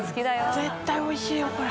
絶対おいしいよこれ。